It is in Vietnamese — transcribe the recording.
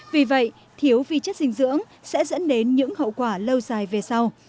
vì vậy thiếu vi chất dinh dưỡng sẽ dẫn đến những hậu quả lâu dài về sau